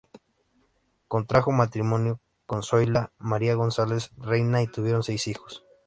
Contrajo matrimonio con Zoila María González Reyna y tuvieron seis hijos.